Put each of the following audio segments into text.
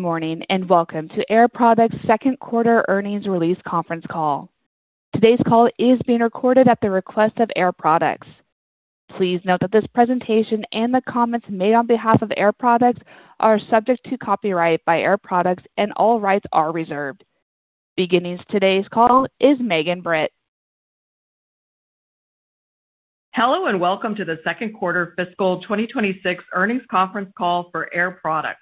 Good morning, welcome to Air Products 2nd quarter earnings release conference call. Today's call is being recorded at the request of Air Products. Please note that this presentation and the comments made on behalf of Air Products are subject to copyright by Air Products and all rights are reserved. Beginning today's call is Megan Britt. Hello, and welcome to the 2nd quarter fiscal 2026 earnings conference call for Air Products.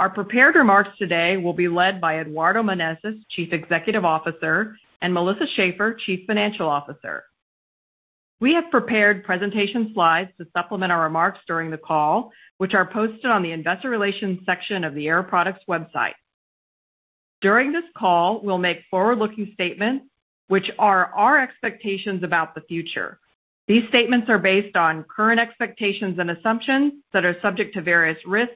Our prepared remarks today will be led by Seifi Ghasemi, Chief Executive Officer, and Melissa Schaeffer, Chief Financial Officer. We have prepared presentation slides to supplement our remarks during the call, which are posted on the investor relations section of the Air Products website. During this call, we'll make forward-looking statements which are our expectations about the future. These statements are based on current expectations and assumptions that are subject to various risks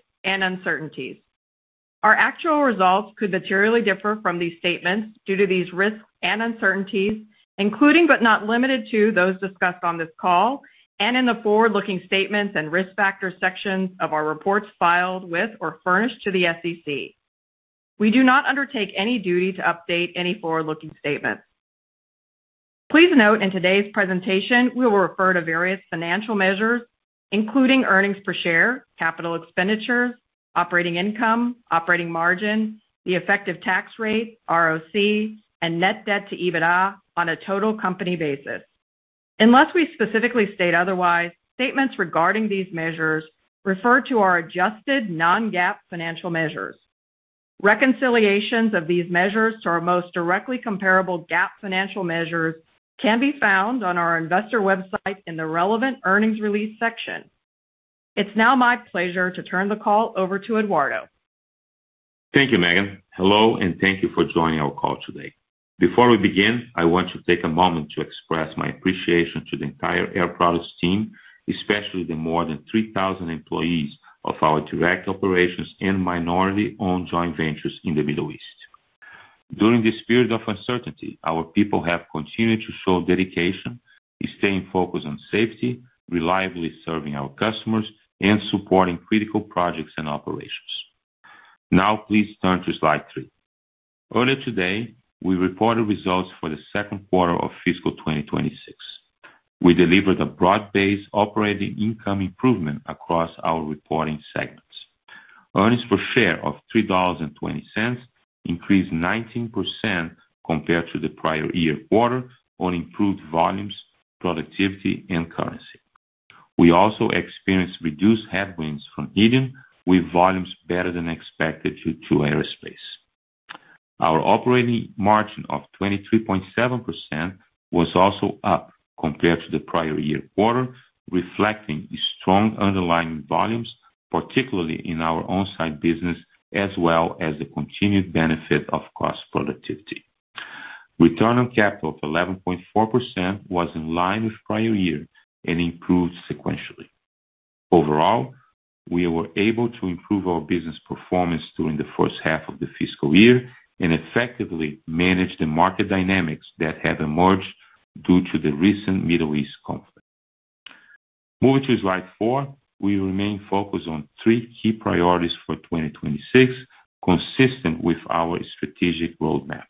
and uncertainties. Our actual results could materially differ from these statements due to these risks and uncertainties, including, but not limited to those discussed on this call and in the forward-looking statements and risk factors sections of our reports filed with or furnished to the SEC. We do not undertake any duty to update any forward-looking statements. Please note in today's presentation, we will refer to various financial measures, including earnings per share, capital expenditure, operating income, operating margin, the effective tax rate, ROC, and net debt to EBITDA on a total company basis. Unless we specifically state otherwise, statements regarding these measures refer to our adjusted non-GAAP financial measures. Reconciliations of these measures to our most directly comparable GAAP financial measures can be found on our investor website in the relevant earnings release section. It's now my pleasure to turn the call over to Eduardo. Thank you, Megan. Hello, and thank you for joining our call today. Before we begin, I want to take a moment to express my appreciation to the entire Air Products team, especially the more than 3,000 employees of our direct operations and minority-owned joint ventures in the Middle East. During this period of uncertainty, our people have continued to show dedication, staying focused on safety, reliably serving our customers, and supporting critical projects and operations. Please turn to slide three. Earlier today, we reported results for the second quarter of fiscal 2026. We delivered a broad-based operating income improvement across our reporting segments. Earnings per share of $3.20 increased 19% compared to the prior year quarter on improved volumes, productivity, and currency. We also experienced reduced headwinds from helium, with volumes better than expected due to aerospace. Our operating margin of 23.7% was also up compared to the prior year quarter, reflecting strong underlying volumes, particularly in our on-site business, as well as the continued benefit of cost productivity. Return on capital of 11.4% was in line with prior year and improved sequentially. Overall, we were able to improve our business performance during the first half of the fiscal year and effectively manage the market dynamics that have emerged due to the recent Middle East conflict. Moving to slide four. We remain focused on three key priorities for 2026, consistent with our strategic roadmap.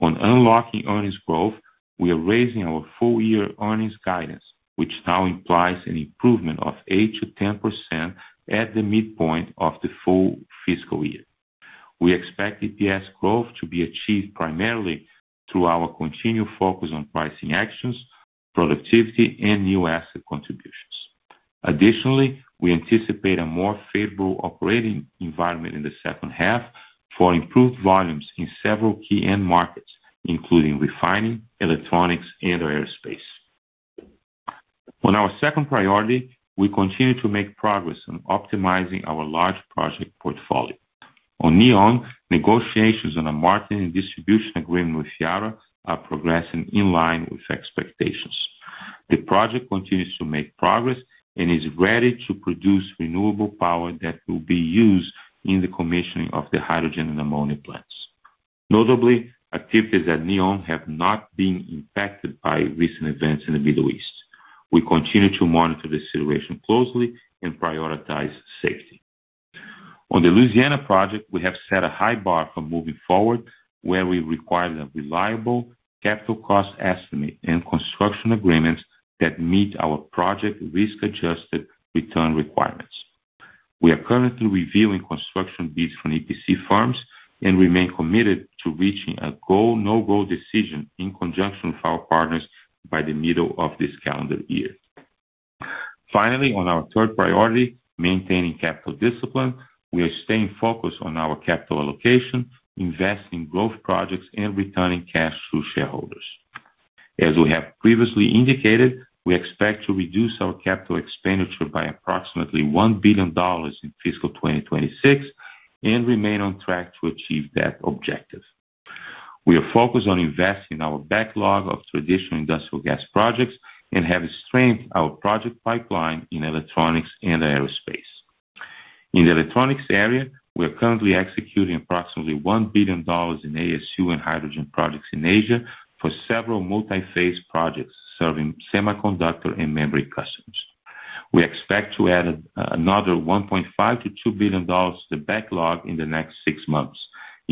On unlocking earnings growth, we are raising our full year earnings guidance, which now implies an improvement of 8%-10% at the midpoint of the full fiscal year. We expect EPS growth to be achieved primarily through our continued focus on pricing actions, productivity, and new asset contributions. We anticipate a more favorable operating environment in the second half for improved volumes in several key end markets, including refining, electronics, and aerospace. On our second priority, we continue to make progress on optimizing our large project portfolio. On NEOM, negotiations on a marketing and distribution agreement with yara are progressing in line with expectations. The project continues to make progress and is ready to produce renewable power that will be used in the commissioning of the hydrogen and ammonia plants. Activities at NEOM have not been impacted by recent events in the Middle East. We continue to monitor the situation closely and prioritize safety. On the Louisiana project, we have set a high bar for moving forward, where we require the reliable capital cost estimate and construction agreements that meet our project risk-adjusted return requirements. We are currently reviewing construction bids from EPC firms and remain committed to reaching a go, no-go decision in conjunction with our partners by the middle of this calendar year. Finally, on our third priority, maintaining capital discipline. We are staying focused on our capital allocation, investing growth projects, and returning cash to shareholders. As we have previously indicated, we expect to reduce our capital expenditure by approximately $1 billion in fiscal 2026 and remain on track to achieve that objective. We are focused on investing our backlog of traditional industrial gas projects and have strengthened our project pipeline in electronics and aerospace. In the electronics area, we are currently executing approximately $1 billion in ASU and hydrogen projects in Asia for several multi-phase projects serving semiconductor and memory customers. We expect to add another $1.5 billion-$2 billion to the backlog in the next six months,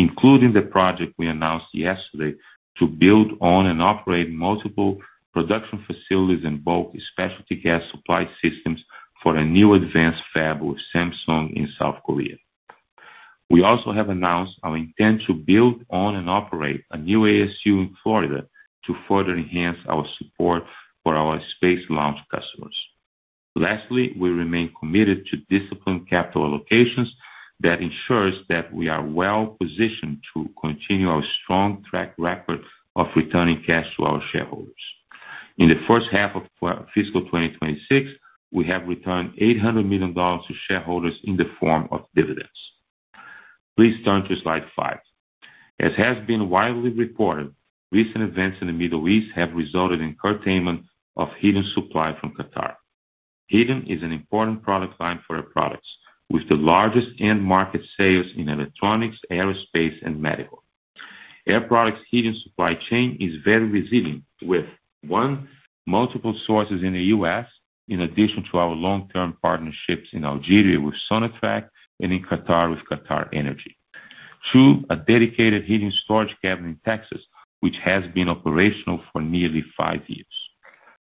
including the project we announced yesterday to build on and operate multiple production facilities in bulk, specialty gas supply systems for a new advanced fab with Samsung in South Korea. We also have announced our intent to build on and operate a new ASU in Florida to further enhance our support for our space launch customers. Lastly, we remain committed to disciplined capital allocations that ensures that we are well-positioned to continue our strong track record of returning cash to our shareholders. In the first half of fiscal 2026, we have returned $800 million to shareholders in the form of dividends. Please turn to slide five. As has been widely reported, recent events in the Middle East have resulted in curtailment of helium supply from Qatar. Helium is an important product line for our products, with the largest end market sales in electronics, aerospace, and medical. Air Products' helium supply chain is very resilient with, one, multiple sources in the U.S., in addition to our long-term partnerships in Algeria with Sonatrach and in Qatar with QatarEnergy. two, a dedicated helium storage cavern in Texas, which has been operational for nearly five years.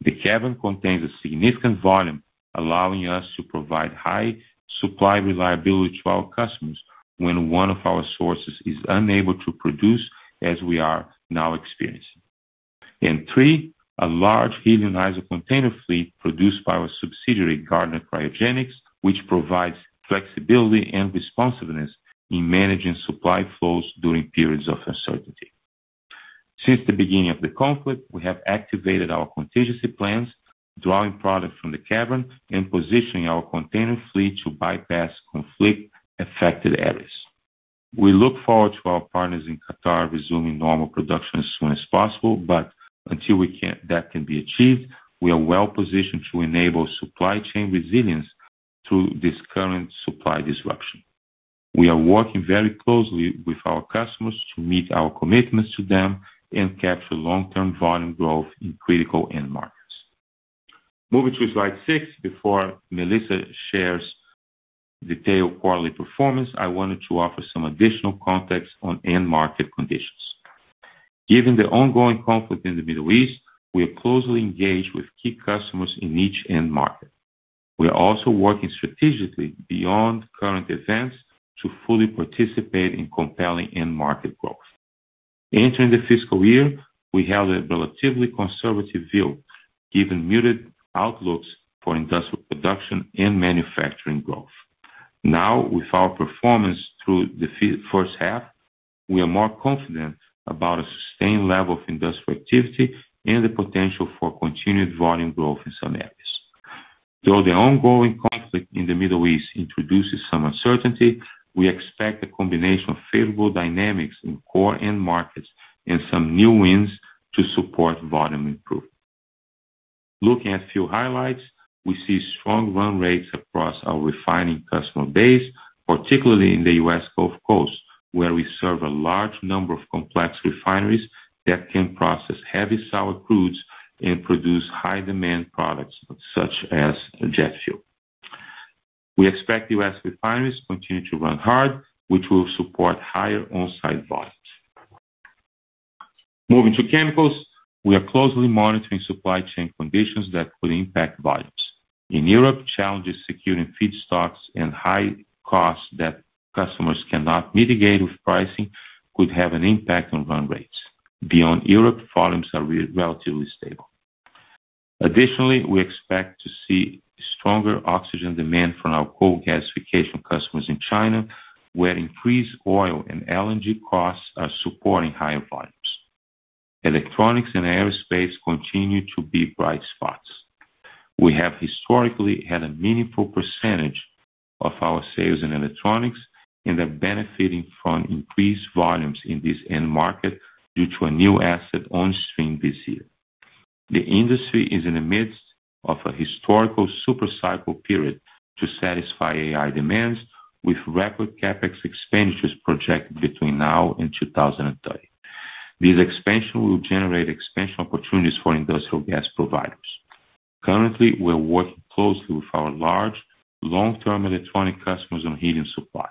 The cavern contains a significant volume, allowing us to provide high supply reliability to our customers when one of our sources is unable to produce, as we are now experiencing. three, a large helium isocontainer fleet produced by our subsidiary, Gardner Cryogenics, which provides flexibility and responsiveness in managing supply flows during periods of uncertainty. Since the beginning of the conflict, we have activated our contingency plans, drawing products from the cavern and positioning our container fleet to bypass conflict-affected areas. We look forward to our partners in Qatar resuming normal production as soon as possible, until that can be achieved, we are well-positioned to enable supply chain resilience through this current supply disruption. We are working very closely with our customers to meet our commitments to them and capture long-term volume growth in critical end markets. Moving to slide six, before Melissa shares detailed quarterly performance, I wanted to offer some additional context on end market conditions. Given the ongoing conflict in the Middle East, we are closely engaged with key customers in each end market. We are also working strategically beyond current events to fully participate in compelling end market growth. Entering the fiscal year, we held a relatively conservative view, given muted outlooks for industrial production and manufacturing growth. Now, with our performance through the first half, we are more confident about a sustained level of industrial activity and the potential for continued volume growth in some areas. Though the ongoing conflict in the Middle East introduces some uncertainty, we expect a combination of favorable dynamics in core end markets and some new wins to support volume improvement. Looking at a few highlights, we see strong run rates across our refining customer base, particularly in the U.S. Gulf Coast, where we serve a large number of complex refineries that can process heavy sour crudes and produce high-demand products, such as jet fuel. We expect U.S. refineries to continue to run hard, which will support higher on-site volumes. Moving to chemicals, we are closely monitoring supply chain conditions that could impact volumes. In Europe, challenges securing feedstocks and high costs that customers cannot mitigate with pricing could have an impact on run rates. Beyond Europe, volumes are relatively stable. Additionally, we expect to see stronger oxygen demand from our coal gasification customers in China, where increased oil and LNG costs are supporting higher volumes. Electronics and aerospace continue to be bright spots. We have historically had a meaningful percentage of our sales in electronics and are benefiting from increased volumes in this end market due to a new asset on stream this year. The industry is in the midst of a historical super cycle period to satisfy AI demands, with record CapEx expenditures projected between now and 2030. This expansion will generate expansion opportunities for industrial gas providers. Currently, we are working closely with our large long-term electronic customers on helium supply.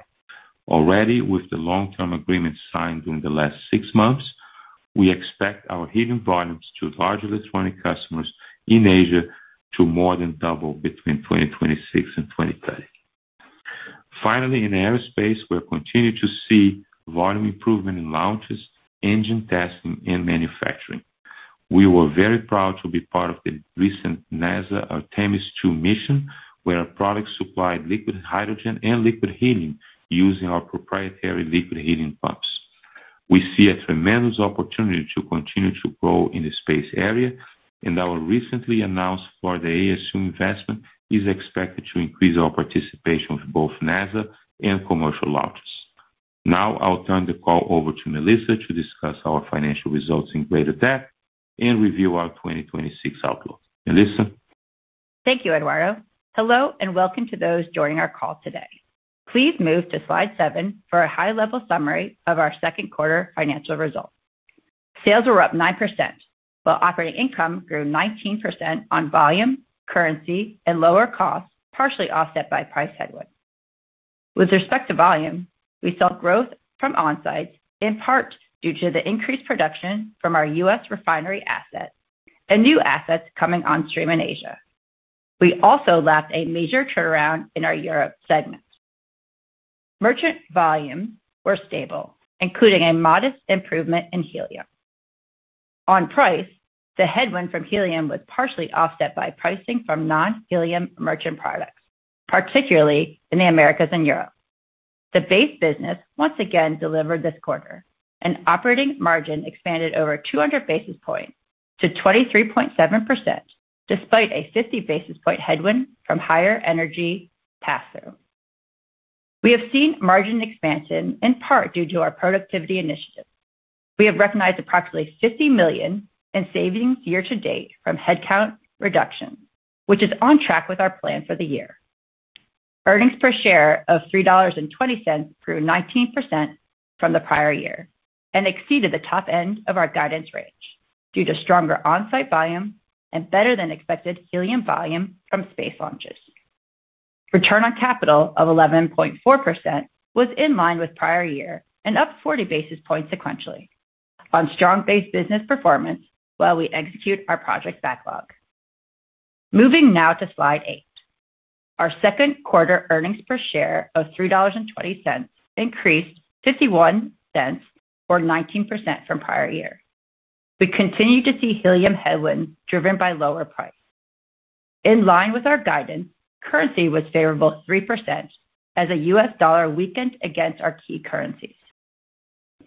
Already, with the long-term agreements signed during the last six months, we expect our helium volumes to large electronic customers in Asia to more than double between 2026 and 2030. Finally, in aerospace, we'll continue to see volume improvement in launches, engine testing, and manufacturing. We were very proud to be part of the recent NASA Artemis II mission, where our products supplied liquid hydrogen and liquid helium using our proprietary liquid helium pumps. We see a tremendous opportunity to continue to grow in the space area, and our recently announced Florida ASU investment is expected to increase our participation with both NASA and commercial launches. I'll turn the call over to Melissa to discuss our financial results in greater depth and review our 2026 outlook. Melissa? Thank you, Eduardo. Hello, welcome to those joining our call today. Please move to slide seven for a high-level summary of our second quarter financial results. Sales were up 9%, while operating income grew 19% on volume, currency, and lower costs, partially offset by price headwinds. With respect to volume, we saw growth from on-site, in part due to the increased production from our U.S. refinery asset and new assets coming on stream in Asia. We also lapped a major turnaround in our Europe segment. Merchant volume were stable, including a modest improvement in helium. On price, the headwind from helium was partially offset by pricing from non-helium merchant products, particularly in the Americas and Europe. The base business once again delivered this quarter and operating margin expanded over 200 basis points to 23.7% despite a 50 basis point headwind from higher energy pass-through. We have seen margin expansion in part due to our productivity initiatives. We have recognized approximately $50 million in savings year-to-date from headcount reduction, which is on track with our plan for the year. Earnings per share of $3.20 grew 19% from the prior year and exceeded the top end of our guidance range due to stronger onsite volume and better-than-expected helium volume from space launches. Return on capital of 11.4% was in line with prior year and up 40 basis points sequentially on strong base business performance while we execute our project backlog. Moving now to slide eight. Our second quarter earnings per share of $3.20 increased $0.51 or 19% from prior year. We continue to see helium headwind driven by lower price. In line with our guidance, currency was favorable at 3% as the U.S. dollar weakened against our key currencies.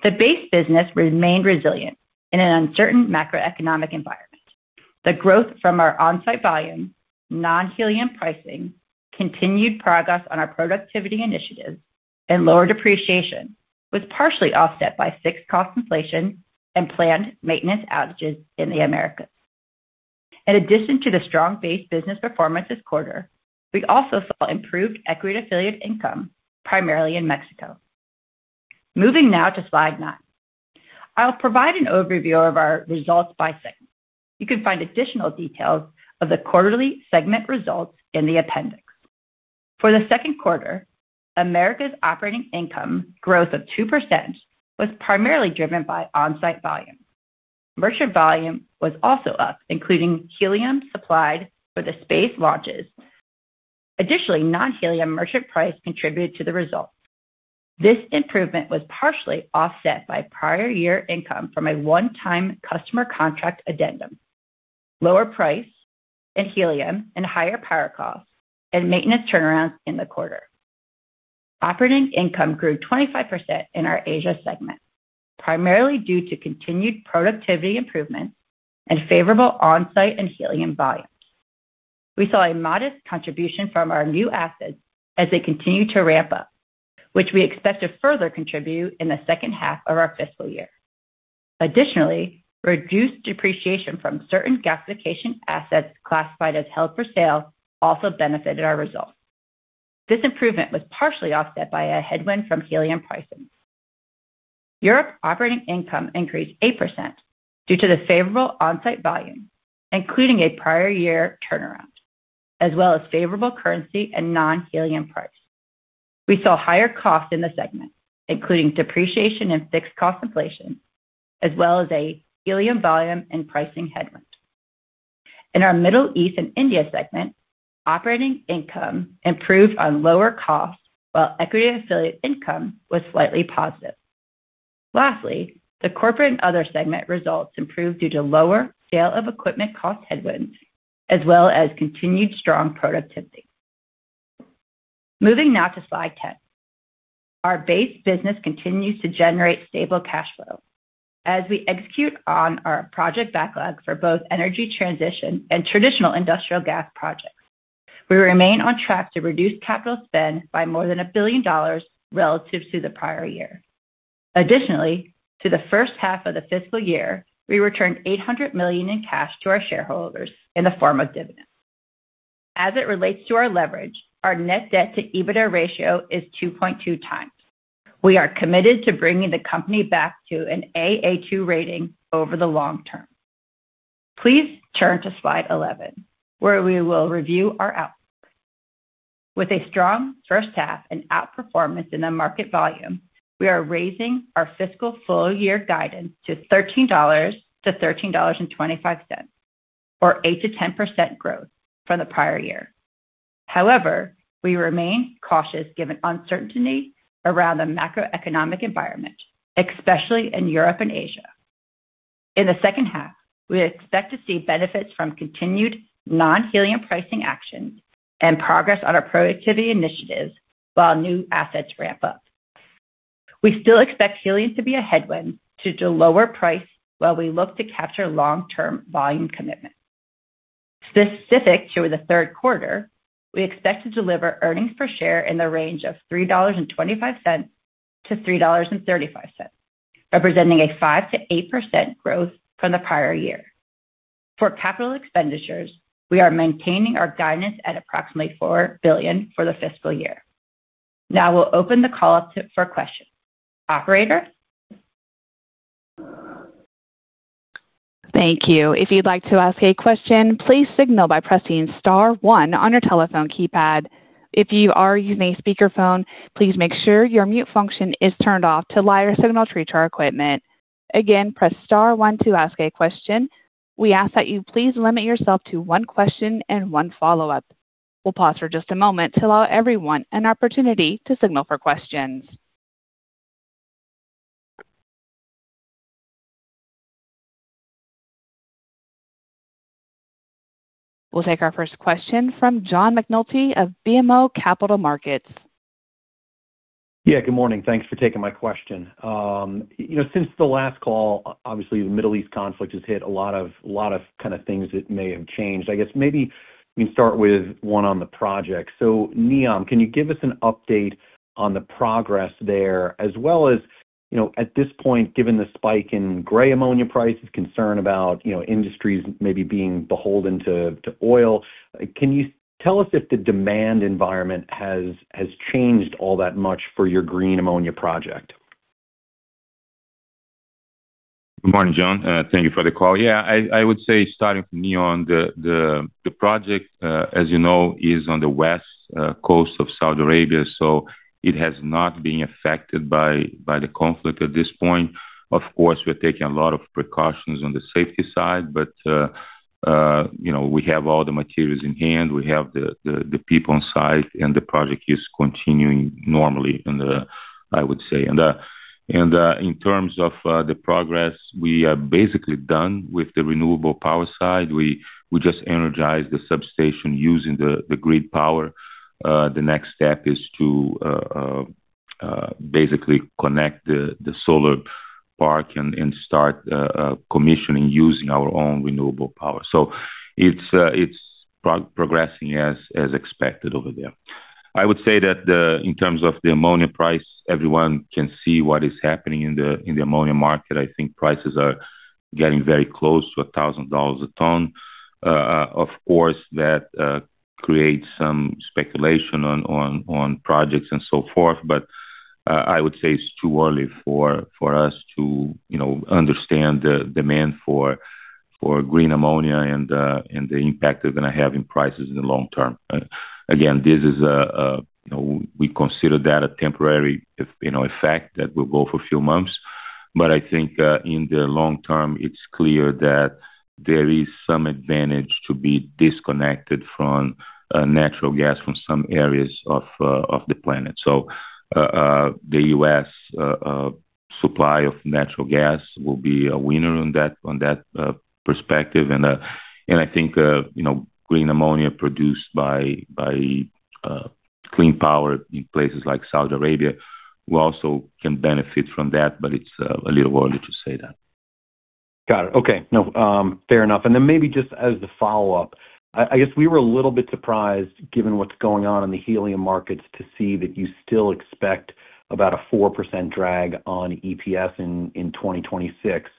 The base business remained resilient in an uncertain macroeconomic environment. The growth from our onsite volume, non-helium pricing, continued progress on our productivity initiatives, and lower depreciation was partially offset by fixed cost inflation and planned maintenance outages in the Americas. In addition to the strong base business performance this quarter, we also saw improved equity affiliate income, primarily in Mexico. Moving now to slide nine. I'll provide an overview of our results by segment. You can find additional details of the quarterly segment results in the appendix. For the second quarter, Americas operating income growth of 2% was primarily driven by onsite volume. Merchant volume was also up, including helium supplied for the space launches. Additionally, non-helium merchant price contributed to the results. This improvement was partially offset by prior year income from a one-time customer contract addendum, lower price in helium and higher power costs, and maintenance turnarounds in the quarter. Operating income grew 25% in our Asia segment, primarily due to continued productivity improvements and favorable onsite and helium volumes. We saw a modest contribution from our new assets as they continue to ramp up, which we expect to further contribute in the second half of our fiscal year. Reduced depreciation from certain gasification assets classified as held for sale also benefited our results. This improvement was partially offset by a headwind from helium pricing. Europe operating income increased 8% due to the favorable onsite volume, including a prior year turnaround, as well as favorable currency and non-helium price. We saw higher cost in the segment, including depreciation and fixed cost inflation, as well as a helium volume and pricing headwind. In our Middle East and India segment, operating income improved on lower cost while equity affiliate income was slightly positive. Lastly, the Corporate and other segment results improved due to lower sale of equipment cost headwinds, as well as continued strong productivity. Moving now to slide 10. Our base business continues to generate stable cash flow as we execute on our project backlog for both energy transition and traditional industrial gas projects. We remain on track to reduce capital spend by more than $1 billion relative to the prior year. Additionally, through the first half of the fiscal year, we returned $800 million in cash to our shareholders in the form of dividends. As it relates to our leverage, our net debt to EBITDA ratio is 2.2 times. We are committed to bringing the company back to an Aa2 rating over the long term. Please turn to slide 11, where we will review our outlook. With a strong first half and outperformance in the market volume, we are raising our fiscal full-year guidance to $13.00-$13.25, or 8%-10% growth from the prior year. We remain cautious given uncertainty around the macroeconomic environment, especially in Europe and Asia. In the second half, we expect to see benefits from continued non-helium pricing actions and progress on our productivity initiatives while new assets ramp up. We still expect helium to be a headwind due to lower price while we look to capture long-term volume commitment. Specific to the third quarter, we expect to deliver earnings per share in the range of $3.25-$3.35, representing a 5%-8% growth from the prior year. For capital expenditures, we are maintaining our guidance at approximately $4 billion for the fiscal year. Now we'll open the call up for questions. Operator? Thank you. If you'd like to ask a question, please signal by pressing star one on your telephone keypad. If you are using a speakerphone, please make sure your mute function is turned off to live signal through to our equipment. Again, press star one to ask a question. We ask that you please limit yourself to one question and one follow-up. We'll pause for just a moment to allow everyone an opportunity to signal for questions. We'll take our first question from John McNulty of BMO Capital Markets. Good morning. Thanks for taking my question. You know, since the last call, the Middle East conflict has hit a lot of kind of things that may have changed. I guess maybe we can start with one on the project. Neom, can you give us an update on the progress there as well as, you know, at this point, given the spike in gray ammonia prices, concern about, you know, industries maybe being beholden to oil. Can you tell us if the demand environment has changed all that much for your green ammonia project? Good morning, John. Thank you for the call. I would say starting from NEOM, the project, as you know, is on the west coast of Saudi Arabia, so it has not been affected by the conflict at this point. Of course, we're taking a lot of precautions on the safety side, but, you know, we have all the materials in hand, we have the people on site, and the project is continuing normally I would say. In terms of the progress, we are basically done with the renewable power side. We just energized the substation using the grid power. The next step is to basically connect the solar park and start commissioning using our own renewable power. It's progressing as expected over there. I would say that in terms of the ammonia price, everyone can see what is happening in the ammonia market. I think prices are getting very close to $1,000 a ton. Of course, that creates some speculation on projects and so forth. I would say it's too early for us to, you know, understand the demand for green ammonia and the impact they're gonna have in prices in the long term. Again, this is, you know, we consider that a temporary, you know, effect that will go for a few months. I think in the long term, it's clear that there is some advantage to be disconnected from natural gas from some areas of the planet. The U.S. supply of natural gas will be a winner on that perspective. I think, you know, green ammonia produced by clean power in places like Saudi Arabia will also can benefit from that, but it's a little early to say that. Got it. Okay. No, fair enough. Maybe just as the follow-up, I guess we were a little bit surprised, given what's going on in the helium markets, to see that you still expect about a 4% drag on EPS in 2026.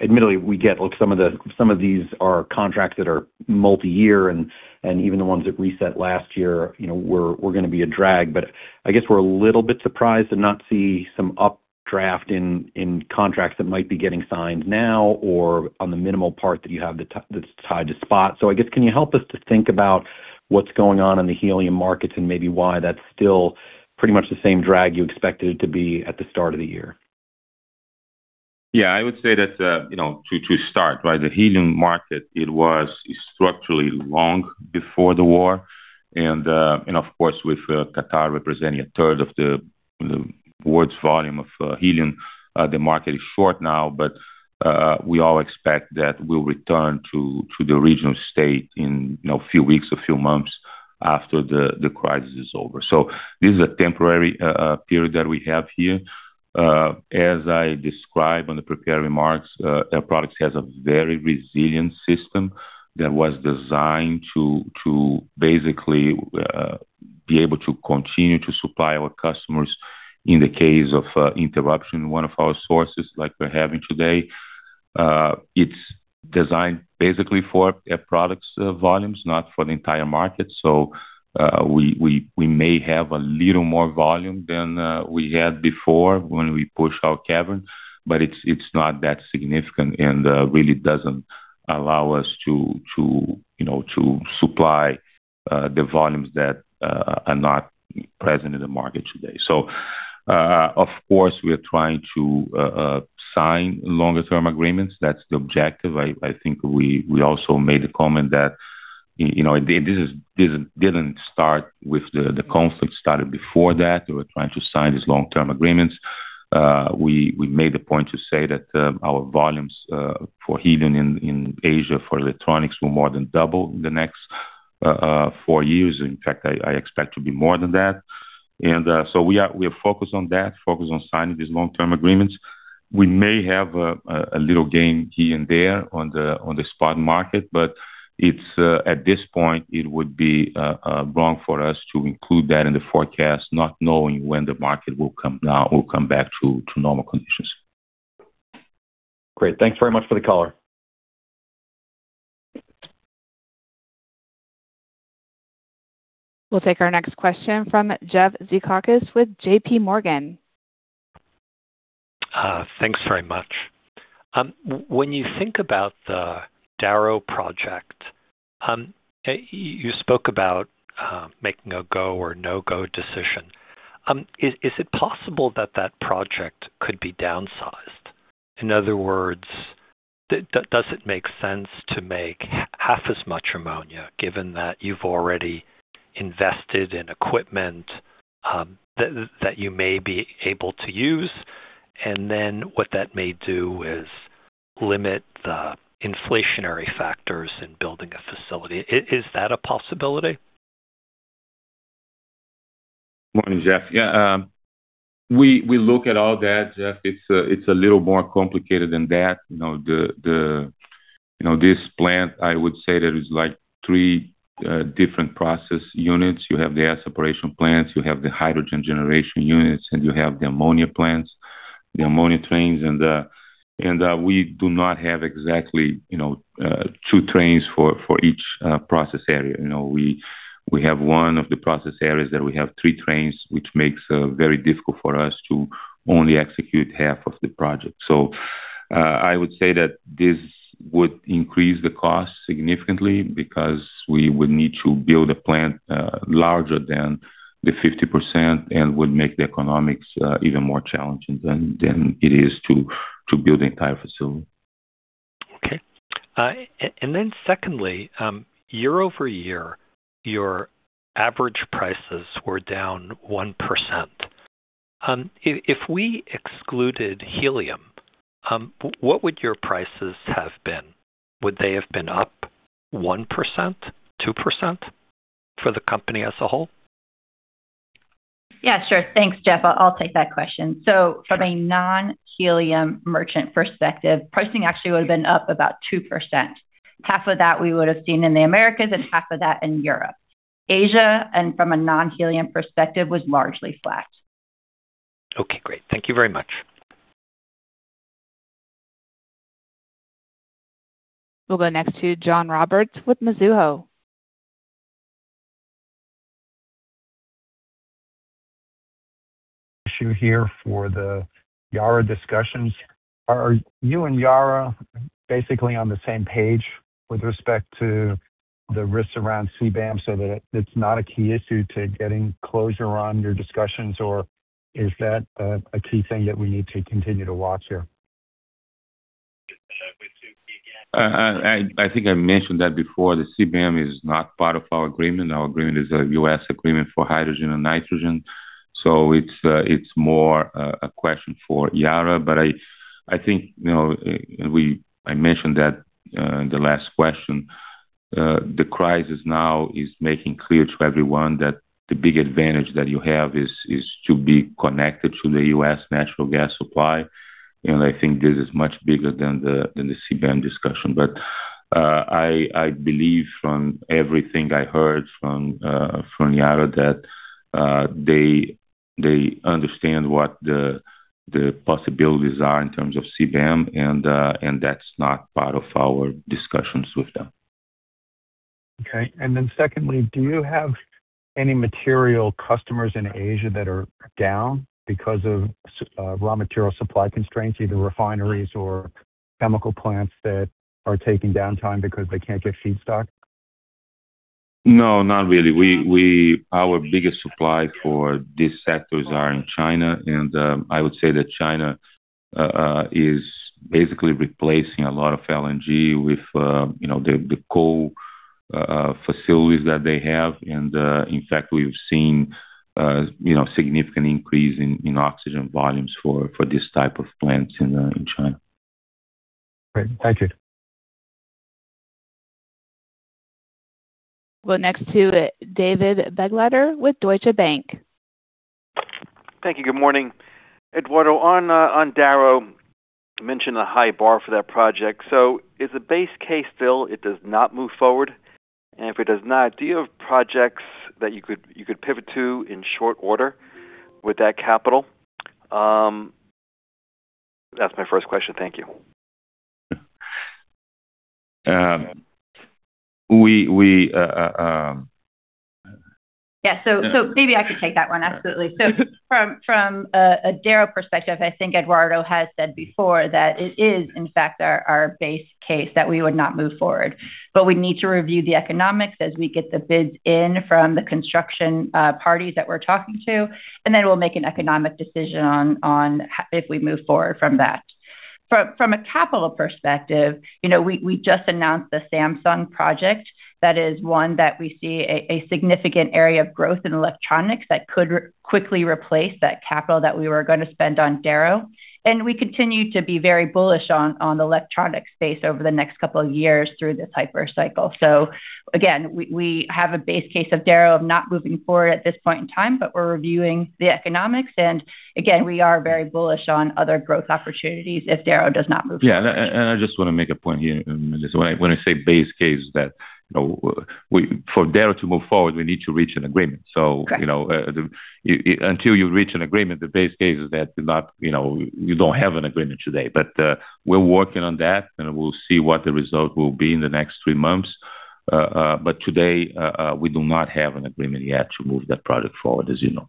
Admittedly, we get like some of these are contracts that are multi-year and even the ones that reset last year, you know, were gonna be a drag. I guess we're a little bit surprised to not see some updraft in contracts that might be getting signed now or on the minimal part that you have that's tied to spot. I guess, can you help us to think about what's going on in the helium markets and maybe why that's still pretty much the same drag you expected it to be at the start of the year? Yeah, I would say that, you know, to start, right, the helium market, it was structurally long before the war. Of course, with Qatar representing a third of the world's volume of helium, the market is short now. We all expect that we'll return to the original state in, you know, a few weeks or few months after the crisis is over. This is a temporary period that we have here. As I described on the prepared remarks, Air Products has a very resilient system that was designed to basically be able to continue to supply our customers in the case of interruption in one of our sources like we're having today. It's designed basically for Air Products volumes, not for the entire market. We may have a little more volume than we had before when we push our cavern, but it's not that significant and really doesn't allow us to, you know, to supply the volumes that are not present in the market today. Of course, we are trying to sign longer term agreements. That's the objective. I think we also made a comment that, you know, this didn't start with the conflict. It started before that. We were trying to sign these long-term agreements. We made the point to say that our volumes for helium in Asia for electronics will more than double in the next four years. In fact, I expect to be more than that. We are focused on that, focused on signing these long-term agreements. We may have a little gain here and there on the spot market, but it's at this point, it would be wrong for us to include that in the forecast, not knowing when the market will come back to normal conditions. Great. Thanks very much for the color. We'll take our next question from Jeffrey Zekauskas with JPMorgan. Thanks very much. When you think about the Darrow project, you spoke about making a go or no-go decision. Is it possible that that project could be downsized? In other words, does it make sense to make half as much ammonia, given that you've already invested in equipment that you may be able to use, and then what that may do is limit the inflationary factors in building a facility. Is that a possibility? Morning, Jeff. Yeah, we look at all that, Jeff. It's a little more complicated than that. You know, this plant, I would say that it's like three different process units. You have the air separation plants, you have the hydrogen generation units, and you have the ammonia plants, the ammonia trains. We do not have exactly, you know, two trains for each process area. You know, we have one of the process areas that we have three trains, which makes it very difficult for us to only execute half of the project. I would say that this would increase the cost significantly because we would need to build a plant larger than the 50% and would make the economics even more challenging than it is to build the entire facility. Okay. Secondly, year-over-year, your average prices were down 1%. If we excluded helium, what would your prices have been? Would they have been up 1%, 2% for the company as a whole? Yeah, sure. Thanks, Jeff. I'll take that question. Sure. From a non-helium merchant perspective, pricing actually would have been up about 2%. Half of that we would have seen in the Americas and half of that in Europe. Asia, and from a non-helium perspective, was largely flat. Okay, great. Thank you very much. We'll go next to John Roberts with Mizuho. Issue here for the Yara discussions. Are you and Yara basically on the same page with respect to the risks around CBAM so that it's not a key issue to getting closure on your discussions, or is that a key thing that we need to continue to watch here? I think I mentioned that before. The CBAM is not part of our agreement. Our agreement is a U.S. agreement for hydrogen and nitrogen, so it's more a question for Yara. I think, you know, I mentioned that in the last question. The crisis now is making clear to everyone that the big advantage that you have is to be connected to the U.S. natural gas supply. I think this is much bigger than the CBAM discussion. I believe from everything I heard from Yara that they understand what the possibilities are in terms of CBAM and that's not part of our discussions with them. Okay. Secondly, do you have any material customers in Asia that are down because of raw material supply constraints, either refineries or chemical plants that are taking downtime because they can't get feedstock? No, not really. Our biggest supply for these sectors are in China, and I would say that China is basically replacing a lot of LNG with, you know, the coal facilities that they have. In fact, we've seen, you know, significant increase in oxygen volumes for this type of plants in China. Great. Thank you. We'll next to David Begleiter with Deutsche Bank. Thank you. Good morning. Eduardo, on Darrow, you mentioned the high bar for that project. Is the base case still it does not move forward? If it does not, do you have projects that you could pivot to in short order with that capital? That's my first question. Thank you. Um, we, we, uh, um- Yeah. Maybe I could take that one. Absolutely. Yeah. From a Darrow perspective, I think Eduardo has said before that it is, in fact, our base case that we would not move forward. We need to review the economics as we get the bids in from the construction parties that we're talking to, and then we'll make an economic decision on if we move forward from that. From a capital perspective, you know, we just announced the Samsung project. That is one that we see a significant area of growth in electronics that could quickly replace that capital that we were gonna spend on Darrow. We continue to be very bullish on the electronic space over the next couple of years through this hyper cycle. Again, we have a base case of Darrow of not moving forward at this point in time, but we're reviewing the economics. Again, we are very bullish on other growth opportunities if Darrow does not move forward. Yeah. I just wanna make a point here. When I say base case that, you know for Darrow to move forward, we need to reach an agreement. Okay. You know, until you reach an agreement, the base case is that you're not, you know, you don't have an agreement today. We're working on that, and we'll see what the result will be in the next three months. Today, we do not have an agreement yet to move that product forward, as you know.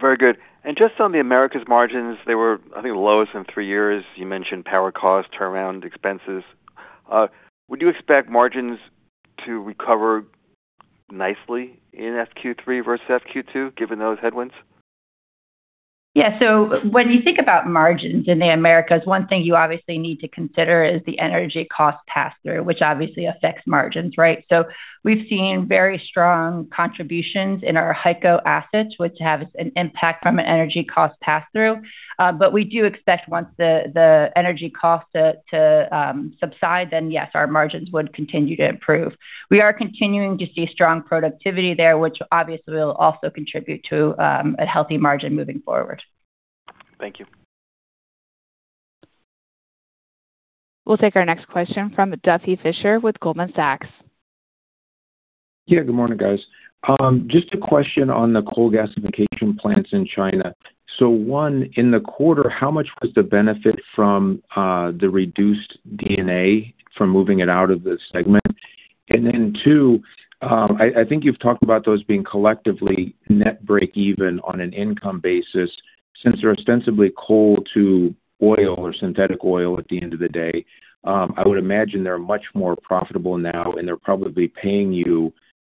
Very good. Just on the Americas margins, they were, I think, the lowest in three years. You mentioned power cost, turnaround expenses. Would you expect margins to recover nicely in FQ 3 versus FQ 2, given those headwinds? When you think about margins in the Americas, one thing you obviously need to consider is the energy cost pass-through, which obviously affects margins, right? We've seen very strong contributions in our HyCO assets, which have an impact from an energy cost pass-through. We do expect once the energy costs to subside, yes, our margins would continue to improve. We are continuing to see strong productivity there, which obviously will also contribute to a healthy margin moving forward. Thank you. We'll take our next question from Duffy Fischer with Goldman Sachs. Good morning, guys. Just a question on the coal gasification plants in China. one, in the quarter, how much was the benefit from the reduced D&A from moving it out of the segment? two, I think you've talked about those being collectively net breakeven on an income basis. Since they're ostensibly coal to oil or synthetic oil at the end of the day, I would imagine they're much more profitable now, and they're probably paying you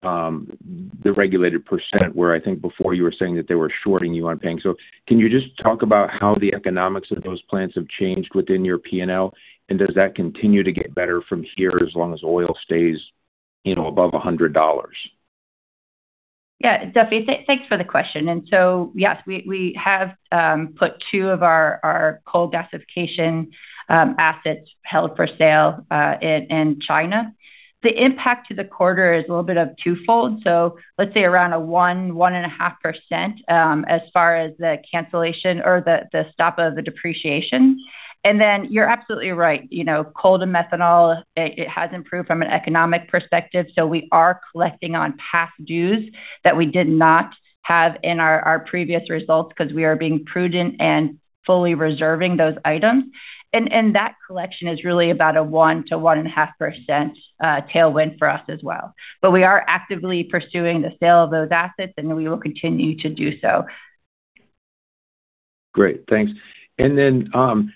the regulated percent, where I think before you were saying that they were shorting you on paying. Can you just talk about how the economics of those plants have changed within your P&L? Does that continue to get better from here as long as oil stays, you know, above $100? Duffy, thanks for the question. Yes, we have put two of our coal gasification assets held for sale in China. The impact to the quarter is a little bit of twofold. Let's say around a 1-1.5% as far as the cancellation or the stop of the depreciation. You're absolutely right, you know, coal to methanol, it has improved from an economic perspective, so we are collecting on past dues that we did not have in our previous results because we are being prudent and fully reserving those items. That collection is really about a 1%-1.5% tailwind for us as well. We are actively pursuing the sale of those assets, and we will continue to do so. Great. Thanks. Eduardo,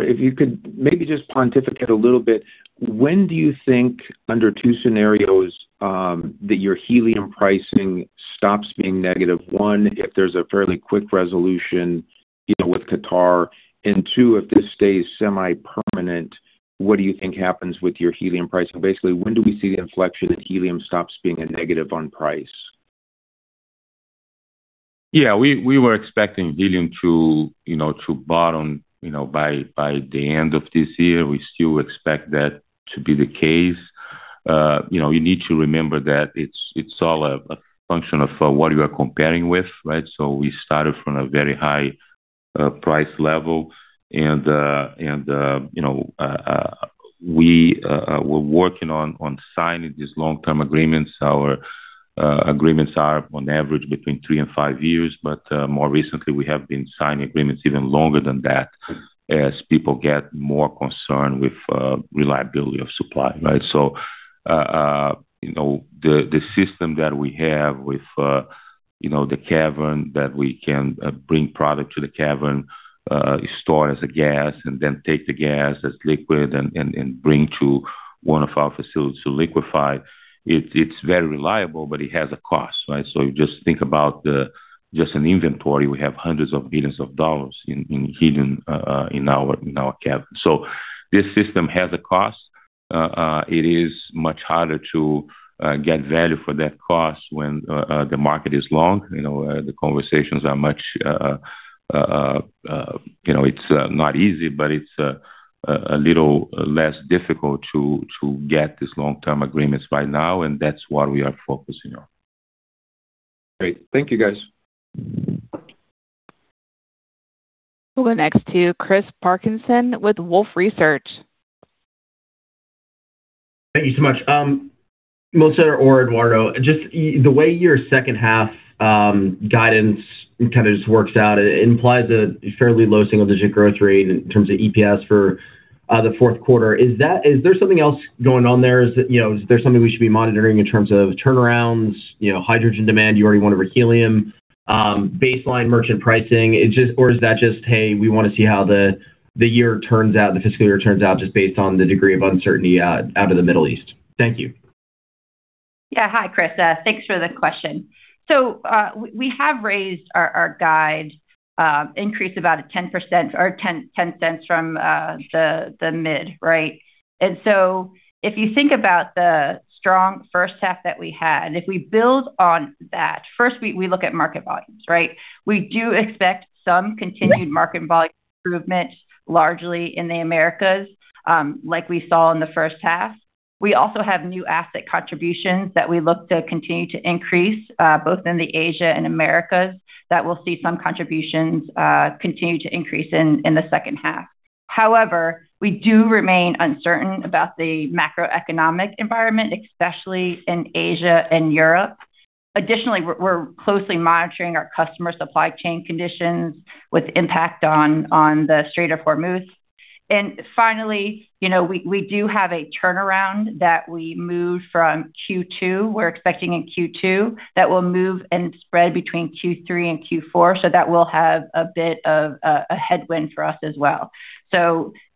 if you could maybe just pontificate a little bit, when do you think under two scenarios, that your helium pricing stops being negative? one, if there's a fairly quick resolution, you know, with Qatar, and two, if this stays semi-permanent, what do you think happens with your helium pricing? Basically, when do we see the inflection that helium stops being a negative on price? Yeah. We were expecting helium to, you know, to bottom, you know, by the end of this year. We still expect that to be the case. You know, you need to remember that it's all a function of what you are comparing with, right? We started from a very high price level and, you know, we're working on signing these long-term agreements. Our agreements are on average between three and five years, more recently, we have been signing agreements even longer than that as people get more concerned with reliability of supply, right? You know, the system that we have with, you know, the cavern that we can bring product to the cavern, store it as a gas and then take the gas as liquid and bring to one of our facilities to liquefy it's very reliable, but it has a cost, right? Just think about the, just an inventory. We have hundreds of billions of dollars in helium in our cavern. This system has a cost. It is much harder to get value for that cost when the market is long. You know, the conversations are much, you know, it's not easy, but it's a little less difficult to get these long-term agreements right now, and that's what we are focusing on. Great. Thank you, guys. We'll go next to Christopher S. Parkinson with Wolfe Research. Thank you so much. Melissa or Eduardo, just the way your second half guidance kind of just works out, it implies a fairly low single-digit growth rate in terms of EPS for the fourth quarter. Is there something else going on there? Is, you know, is there something we should be monitoring in terms of turnarounds, you know, hydrogen demand, you already went over helium, baseline merchant pricing? Is that just, hey, we wanna see how the year turns out, the fiscal year turns out just based on the degree of uncertainty out of the Middle East? Thank you. Yeah. Hi, Chris. Thanks for the question. We have raised our guide, increased about a 10% or $0.10 from the mid, right? If you think about the strong first half that we had, if we build on that, first we look at market volumes, right? We do expect some continued market volume improvement, largely in the Americas, like we saw in the first half. We also have new asset contributions that we look to continue to increase, both in the Asia and Americas, that we'll see some contributions continue to increase in the second half. We do remain uncertain about the macroeconomic environment, especially in Asia and Europe. We're closely monitoring our customer supply chain conditions with impact on the Strait of Hormuz. Finally, you know, we do have a turnaround that we moved from Q2. We're expecting in Q2 that will move and spread between Q3 and Q4, so that will have a bit of a headwind for us as well.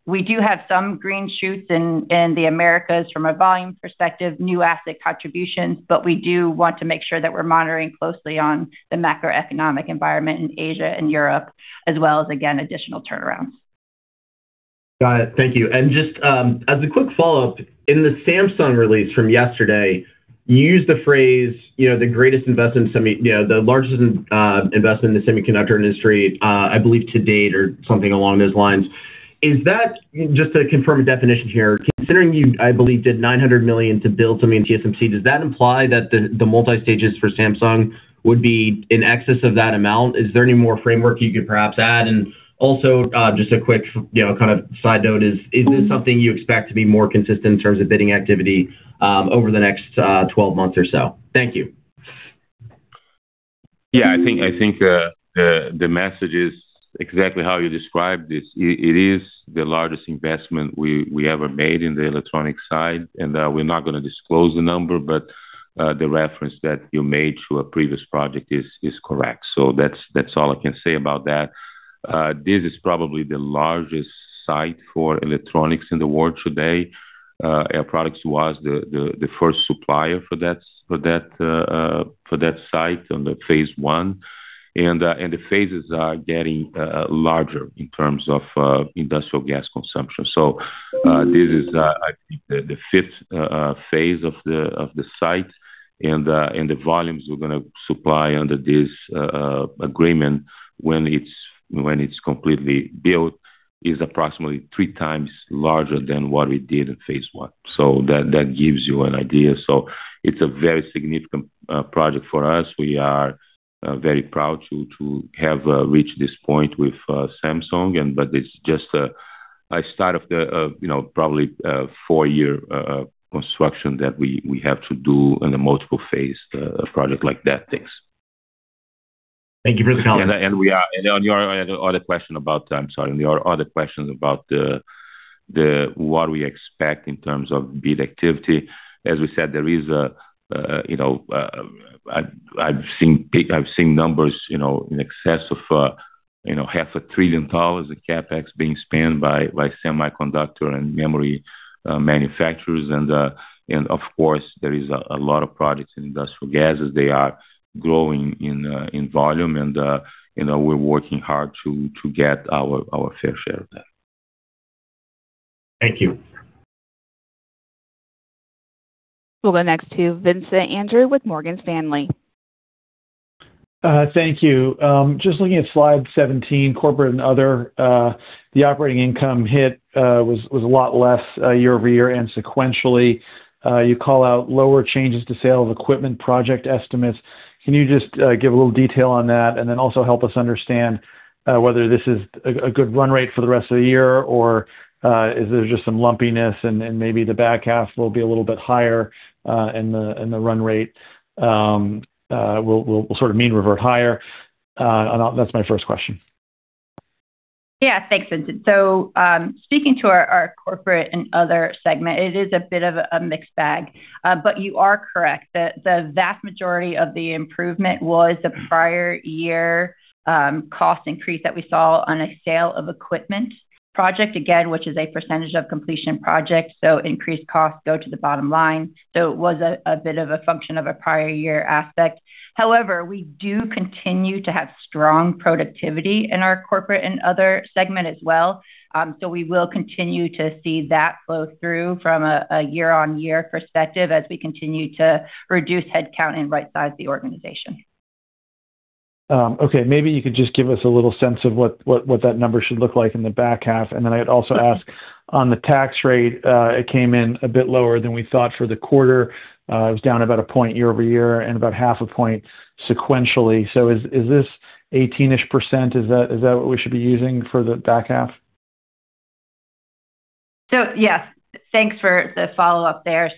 We do have some green shoots in the Americas from a volume perspective, new asset contributions, but we do want to make sure that we're monitoring closely on the macroeconomic environment in Asia and Europe as well as, again, additional turnarounds. Got it. Thank you. Just, as a quick follow-up, in the Samsung release from yesterday, you used the phrase, you know, the greatest investment semiconductor, you know, the largest investment in the semiconductor industry, I believe to date or something along those lines. Is that, just to confirm a definition here, considering you, I believe, did $900 million to build something in TSMC, does that imply that the multi-stages for Samsung would be in excess of that amount? Is there any more framework you could perhaps add? Also, just a quick, you know, kind of side note is this something you expect to be more consistent in terms of bidding activity, over the next 12 months or so? Thank you. I think the message is exactly how you described this. It is the largest investment we ever made in the electronic side. We're not gonna disclose the number, the reference that you made to a previous project is correct. That's all I can say about that. This is probably the largest site for electronics in the world today. Air Products was the first supplier for that site on the phase one. The phases are getting larger in terms of industrial gas consumption. This is I think the fifth phase of the site. The volumes we're gonna supply under this agreement when it's completely built is approximately three times larger than what we did in phase one. That gives you an idea. It's a very significant project for us. We are very proud to have reached this point with Samsung and but it's just a start of the, you know, probably 4-year construction that we have to do on a multiple phase project like that. Thanks. Thank you for the comment. On your other question about the what we expect in terms of bid activity. As we said, there is a, you know, I've seen numbers, you know, in excess of, you know, half a trillion dollars in CapEx being spent by semiconductor and memory manufacturers. Of course, there is a lot of products in industrial gases. They are growing in volume and, you know, we're working hard to get our fair share of that. Thank you. We'll go next to Vincent Andrews with Morgan Stanley. Thank you. Just looking at slide 17, corporate and other, the operating income hit was a lot less year-over-year and sequentially. You call out lower changes to sale of equipment project estimates. Can you just give a little detail on that? Also help us understand whether this is a good run rate for the rest of the year or is there just some lumpiness and maybe the back half will be a little bit higher in the run rate will sort of mean revert higher? That's my first question. Thanks, Vincent Andrews. Speaking to our corporate and other segment, it is a bit of a mixed bag. You are correct that the vast majority of the improvement was the prior year cost increase that we saw on a sale of equipment project. Again, which is a percentage of completion project, increased costs go to the bottom line. It was a bit of a function of a prior year aspect. However, we do continue to have strong productivity in our corporate and other segment as well. We will continue to see that flow through from a year-over-year perspective as we continue to reduce headcount and rightsize the organization. Okay. Maybe you could just give us a little sense of what, what that number should look like in the back half. I'd also ask on the tax rate, it came in a bit lower than we thought for the quarter. It was down about a point year-over-year and about half a point sequentially. Is this 18-ish%? Is that what we should be using for the back half? Yeah. Thanks for the follow-up there.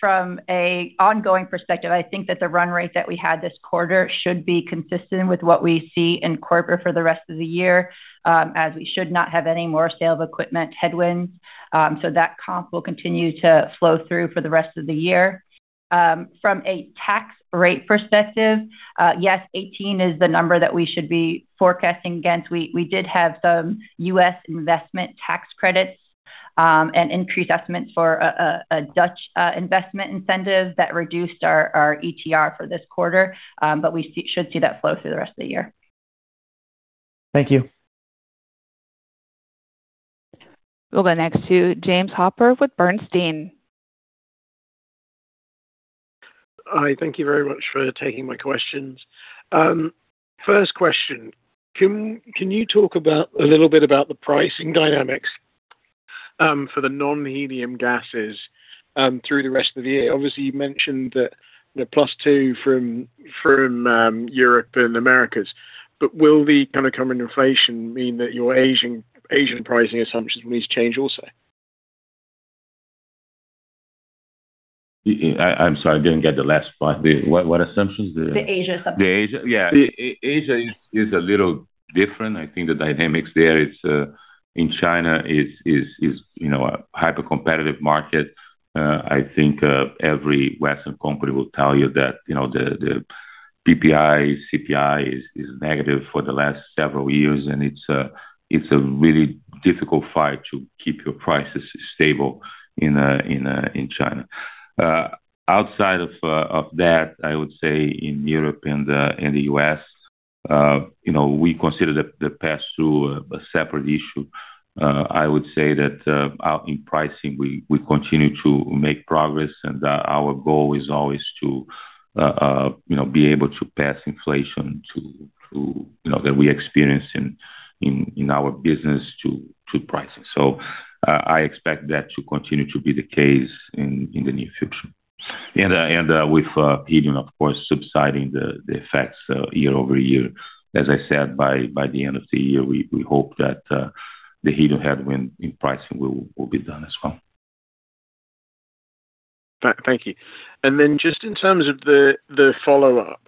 From, from a ongoing perspective, I think that the run rate that we had this quarter should be consistent with what we see in corporate for the rest of the year, as we should not have any more sale of equipment headwinds. That comp will continue to flow through for the rest of the year. From a tax rate perspective, yes, 18 is the number that we should be forecasting. Again, we did have some U.S. investment tax credits and increased estimates for a Dutch investment incentive that reduced our ETR for this quarter. We should see that flow through the rest of the year. Thank you. We'll go next to James Hooper with Bernstein. Hi, thank you very much for taking my questions. First question, can you talk a little bit about the pricing dynamics? For the non-helium gases, through the rest of the year. Obviously, you mentioned that, you know, +2 from Europe and Americas. Will the kind of coming inflation mean that your Asian pricing assumptions will need to change also? I'm sorry, I didn't get the last part. What assumptions? The Asia assumption. The Asia. Asia is a little different. I think the dynamics there, it's in China is, you know, a hyper-competitive market. I think every Western company will tell you that, you know, the PPI, CPI is negative for the last several years, and it's a really difficult fight to keep your prices stable in China. Outside of that, I would say in Europe and the U.S., you know, we consider the pass-through a separate issue. I would say that out in pricing, we continue to make progress, and our goal is always to, you know, be able to pass inflation to, you know, that we experience in our business to pricing. I expect that to continue to be the case in the near future. With helium, of course, subsiding the effects year-over-year, as I said, by the end of the year, we hope that the helium headwind in pricing will be done as well. Thank you. Then just in terms of the follow-up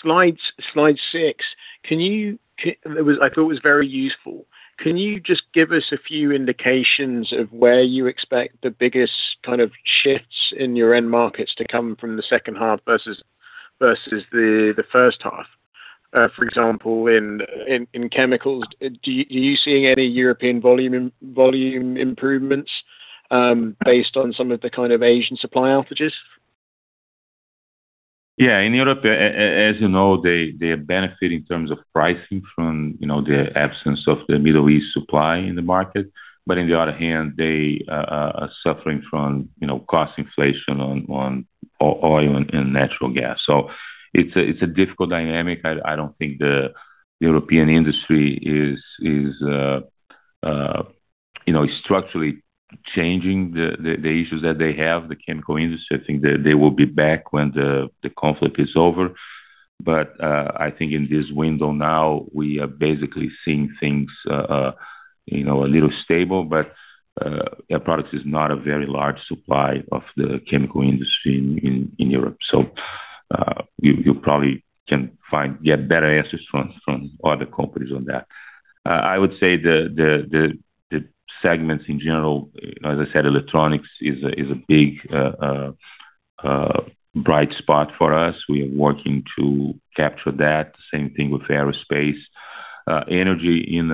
slides, slide 6, can you. It was, I thought it was very useful. Can you just give us a few indications of where you expect the biggest kind of shifts in your end markets to come from the second half versus the first half? For example, in chemicals, do you see any European volume improvements based on some of the kind of Asian supply outages? Yeah. In Europe, as you know, they benefit in terms of pricing from, you know, the absence of the Middle East supply in the market. In the other hand, they are suffering from, you know, cost inflation on oil and natural gas. It's a difficult dynamic. I don't think the European industry is, you know, structurally changing the issues that they have, the chemical industry. I think they will be back when the conflict is over. I think in this window now, we are basically seeing things, you know, a little stable, Air Products is not a very large supply of the chemical industry in Europe. You probably can find, get better answers from other companies on that. I would say the segments in general, as I said, electronics is a big bright spot for us. We are working to capture that. Same thing with aerospace. Energy in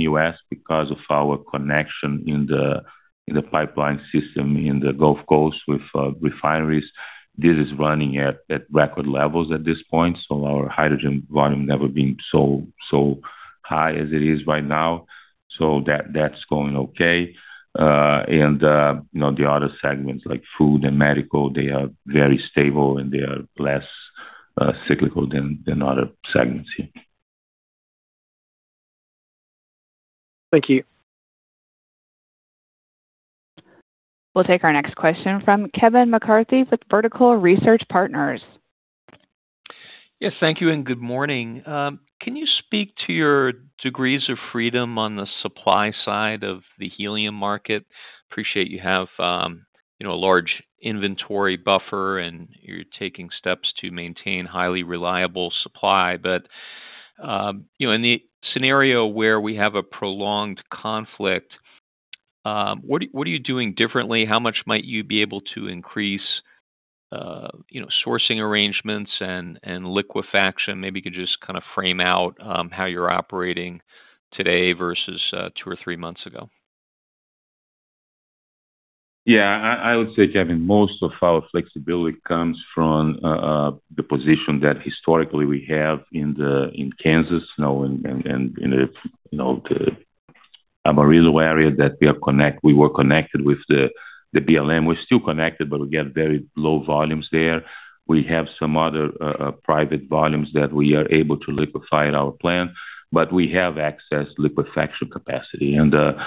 U.S. because of our connection in the pipeline system in the Gulf Coast with refineries. This is running at record levels at this point, so our hydrogen volume never been so high as it is right now. That's going okay. You know, the other segments like food and medical, they are very stable, and they are less cyclical than other segments, yeah. Thank you. We'll take our next question from Kevin McCarthy with Vertical Research Partners. Yes, thank you, and good morning. Can you speak to your degrees of freedom on the supply side of the helium market? Appreciate you have, you know, a large inventory buffer and you're taking steps to maintain highly reliable supply. You know, in the scenario where we have a prolonged conflict, what are you doing differently? How much might you be able to increase, you know, sourcing arrangements and liquefaction? Maybe you could just kinda frame out how you're operating today versus two or three months ago. Yeah. I would say, Kevin, most of our flexibility comes from the position that historically we have in the, in Kansas, you know, and in the, you know, the Amarillo area that we were connected with the BLM. We're still connected, but we get very low volumes there. We have some other private volumes that we are able to liquefy at our plant, but we have access to liquefaction capacity. Our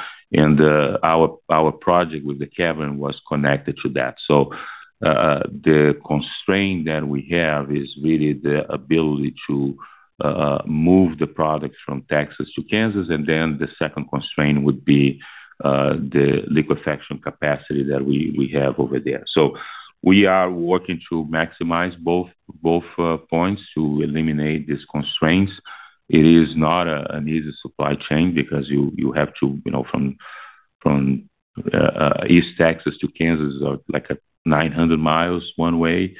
project with the cavern was connected to that. The constraint that we have is really the ability to move the products from Texas to Kansas, and then the second constraint would be the liquefaction capacity that we have over there. We are working to maximize both points to eliminate these constraints. It is not a, an easy supply chain because you have to, you know, from East Texas to Kansas is like 900 miles one way.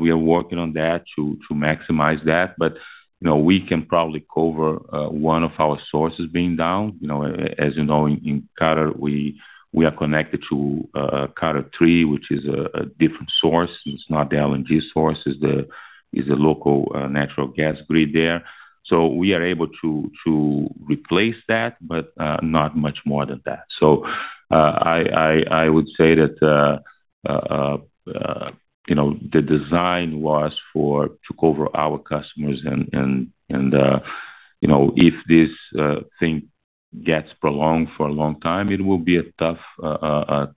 We are working on that to maximize that. You know, we can probably cover one of our sources being down. You know, as you know, in Qatar, we are connected to Qatar 3, which is a different source. It's not the LNG source. It's the local natural gas grid there. We are able to replace that, but not much more than that. I would say that, you know, the design was for, to cover our customers and, you know, if this thing gets prolonged for a long time, it will be a tough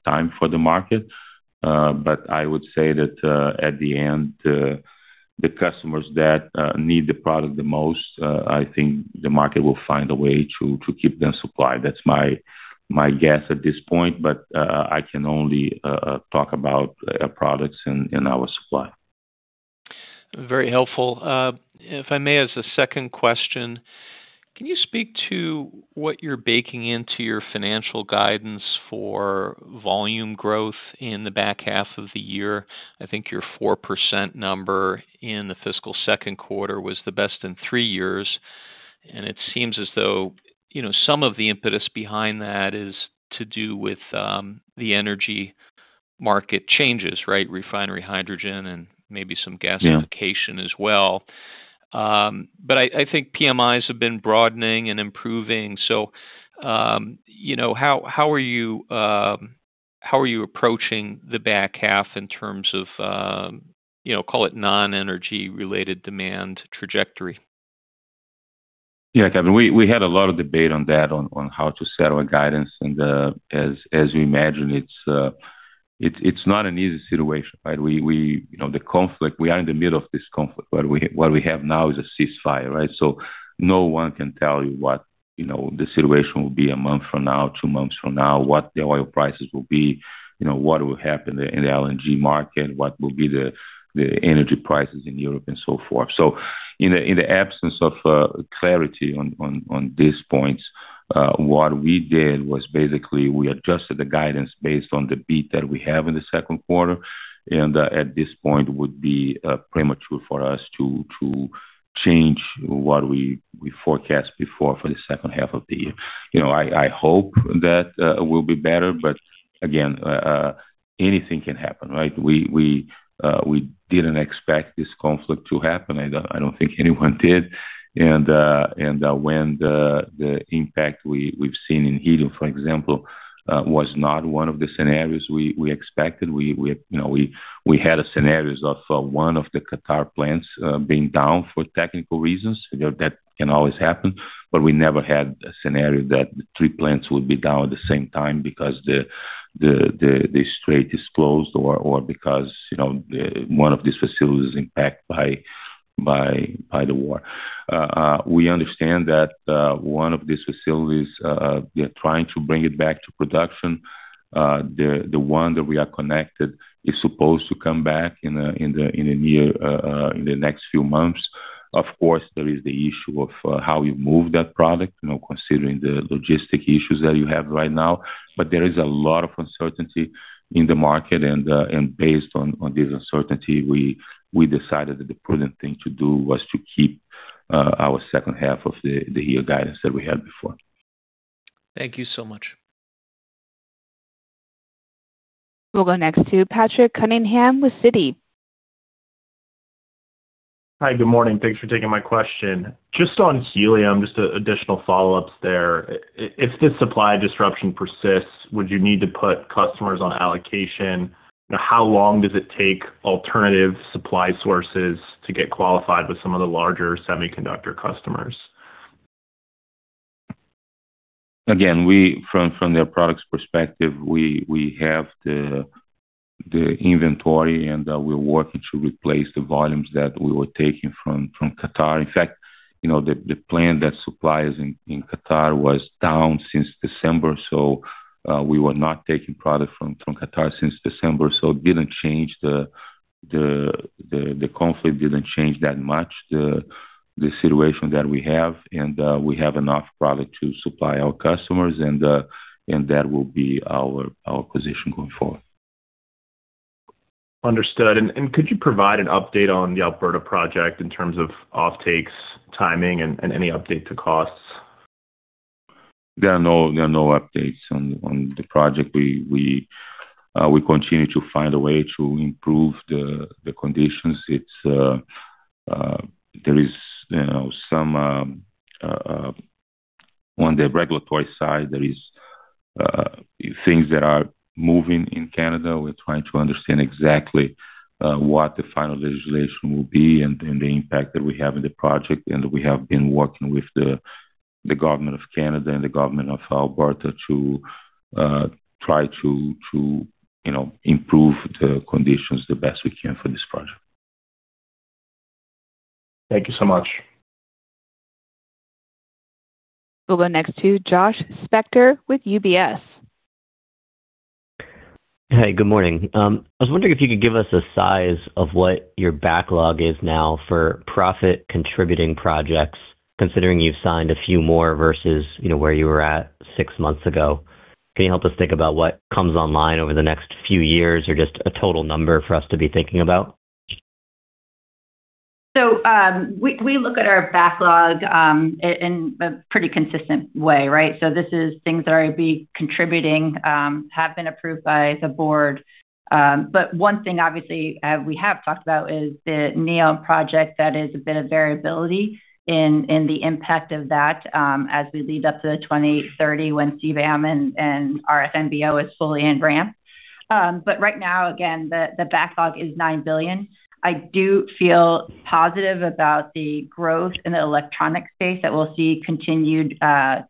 time for the market. I would say that, at the end, the customers that need the product the most, I think the market will find a way to keep them supplied. That's my guess at this point. I can only talk about products in our supply. Very helpful. If I may, as a second question, can you speak to what you're baking into your financial guidance for volume growth in the back half of the year? I think your 4% number in the fiscal second quarter was the best in three years. It seems as though, you know, some of the impetus behind that is to do with the energy market changes, right? Refinery hydrogen and maybe. Yeah. -gasification as well. I think PMIs have been broadening and improving. You know, how are you approaching the back half in terms of, you know, call it non-energy related demand trajectory? Yeah, Kevin, we had a lot of debate on that, on how to set our guidance. As you imagine, it's not an easy situation, right? You know, the conflict, we are in the middle of this conflict. What we have now is a ceasefire, right? No one can tell you what, you know, the situation will be a month from now, two months from now. What the oil prices will be. You know, what will happen in the LNG market. What will be the energy prices in Europe and so forth. In the absence of clarity on these points, what we did was basically we adjusted the guidance based on the beat that we have in the second quarter. At this point it would be premature for us to change what we forecast before for the second half of the year. You know, I hope that it will be better. Again, anything can happen, right? We didn't expect this conflict to happen. I don't think anyone did. When the impact we've seen in helium, for example, was not one of the scenarios we expected. We, you know, we had scenarios of 1 of the Qatar plants being down for technical reasons. You know, that can always happen. We never had a scenario that the three plants would be down at the same time because the strait is closed or because, you know, one of these facilities is impacted by the war. We understand that one of these facilities, they're trying to bring it back to production. The one that we are connected is supposed to come back in the near, in the next few months. Of course, there is the issue of how you move that product, you know, considering the logistic issues that you have right now. There is a lot of uncertainty in the market. Based on this uncertainty, we decided that the prudent thing to do was to keep our second half of the year guidance that we had before. Thank you so much. We'll go next to Patrick Cunningham with Citi. Hi. Good morning. Thanks for taking my question. Just on helium, just additional follow-ups there. If the supply disruption persists, would you need to put customers on allocation? How long does it take alternative supply sources to get qualified with some of the larger semiconductor customers? Again, from the products perspective, we have the inventory, and we're working to replace the volumes that we were taking from Qatar. In fact, you know, the plant that supplies in Qatar was down since December, we were not taking product from Qatar since December. It didn't change the conflict didn't change that much, the situation that we have. We have enough product to supply our customers, and that will be our position going forward. Understood. Could you provide an update on the Alberta project in terms of offtakes, timing, and any update to costs? There are no updates on the project. We continue to find a way to improve the conditions. It's, you know, on the regulatory side, there is things that are moving in Canada. We're trying to understand exactly what the final legislation will be and the impact that will have in the project. We have been working with the government of Canada and the government of Alberta to try to, you know, improve the conditions the best we can for this project. Thank you so much. We'll go next to Joshua Spector with UBS. Hey, good morning. I was wondering if you could give us a size of what your backlog is now for profit contributing projects, considering you've signed a few more versus, you know, where you were at six months ago. Can you help us think about what comes online over the next few years or just a total number for us to be thinking about? We look at our backlog in a pretty consistent way, right? This is things that are going to be contributing, have been approved by the board. But one thing obviously, we have talked about is the NEOM project. That is a bit of variability in the impact of that, as we lead up to the 2030 when CBAM and RFNBO is fully in ramp. But right now, again, the backlog is $9 billion. I do feel positive about the growth in the electronic space, that we'll see continued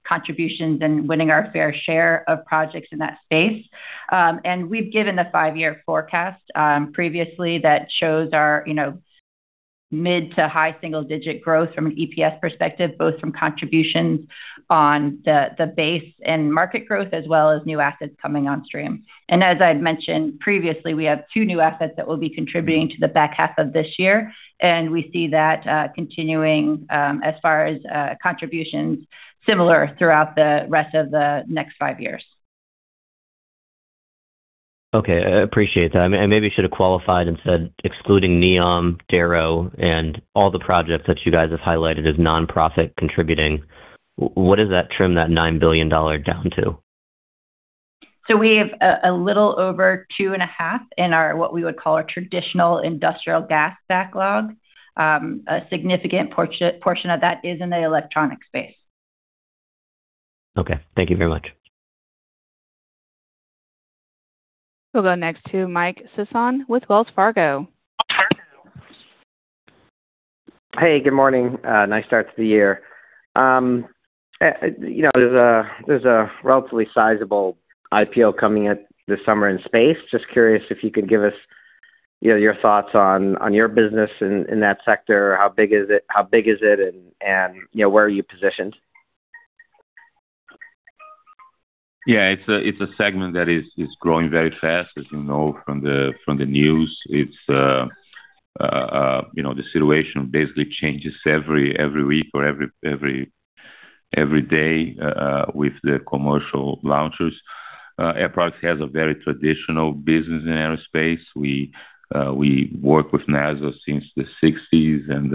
contributions and winning our fair share of projects in that space. We've given the 5-year forecast, previously that shows our, you know, Mid to high single-digit growth from an EPS perspective, both from contributions on the base and market growth as well as new assets coming on stream. As I had mentioned previously, we have two new assets that will be contributing to the back half of this year, and we see that continuing as far as contributions similar throughout the rest of the next five years. Okay. I appreciate that. Maybe you should have qualified and said excluding NEOM, Darrow, and all the projects that you guys have highlighted as non-profit contributing. What does that trim that $9 billion down to? We have a little over two and a half in our, what we would call our traditional industrial gas backlog. A significant portion of that is in the electronic space. Okay. Thank you very much. We'll go next to Michael Sison with Wells Fargo. Hey, good morning. Nice start to the year. You know, there's a relatively sizable IPO coming out this summer in space. Just curious if you could give us, you know, your thoughts on your business in that sector. How big is it? You know, where are you positioned? Yeah. It's a segment that is growing very fast, as you know from the news. It's, you know, the situation basically changes every week or every day with the commercial launches. Air Products has a very traditional business in aerospace. We work with NASA since the sixties and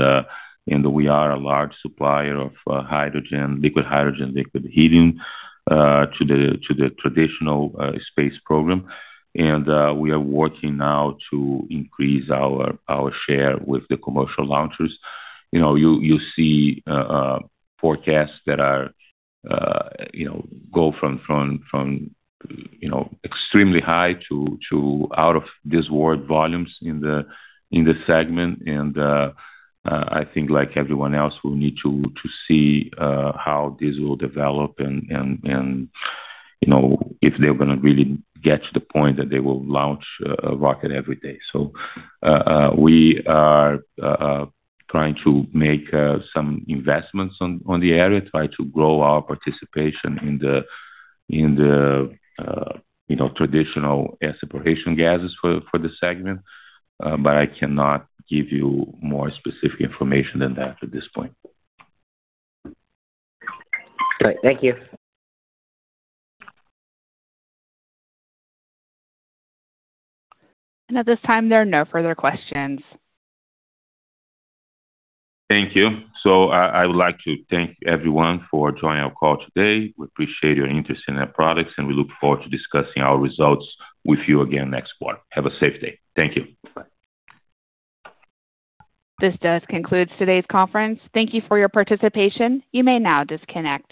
we are a large supplier of hydrogen, liquid hydrogen, liquid helium to the traditional space program. We are working now to increase our share with the commercial launches. You know, you see forecasts that are, you know, go from, you know, extremely high to out of this world volumes in the segment. I think like everyone else, we'll need to see how this will develop and, you know, if they're gonna really get to the point that they will launch a rocket every day. We are trying to make some investments on the area, try to grow our participation in the, you know, traditional air separation gases for the segment. I cannot give you more specific information than that at this point. Great. Thank you. At this time, there are no further questions. I would like to thank everyone for joining our call today. We appreciate your interest in Air Products, and we look forward to discussing our results with you again next quarter. Have a safe day. Thank you. Bye. This does conclude today's conference. Thank you for your participation. You may now disconnect.